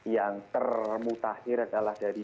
yang termutahir adalah dari